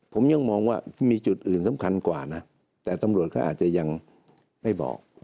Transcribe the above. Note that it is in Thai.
ผมยังมองว่ามีจุดอื่นสำคัญกว่านะแต่ตำรวจก็อาจจะยังไม่บอก